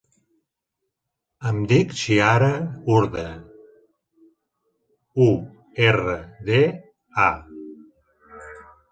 Em dic Chiara Urda: u, erra, de, a.